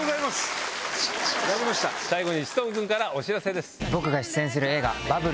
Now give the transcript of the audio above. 最後に志尊君からお知らせです。